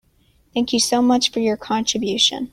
Thank you so much for your contribution.